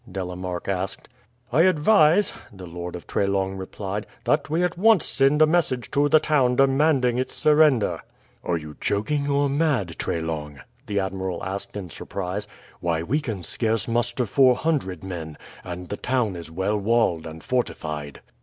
De la Marck asked. "I advise," the Lord of Treslong replied, "that we at once send a message to the town demanding its surrender." "Are you joking or mad, Treslong?" the admiral asked in surprise. "Why, we can scarce muster four hundred men, and the town is well walled and fortified."